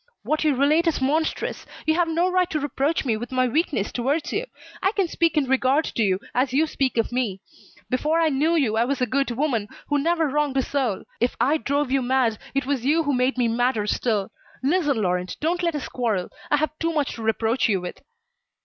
"What you relate is monstrous. You have no right to reproach me with my weakness towards you. I can speak in regard to you, as you speak of me. Before I knew you, I was a good woman, who never wronged a soul. If I drove you mad, it was you made me madder still. Listen Laurent, don't let us quarrel. I have too much to reproach you with."